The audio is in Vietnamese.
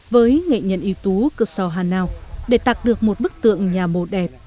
với nghệ nhân yếu tố cơ sò hà nào để tạc được một bức tượng nhà mô đẹp